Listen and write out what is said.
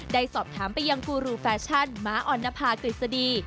ได้สอบถามไปยังกูรูแฟชั่นม้าออนภากฤษฎี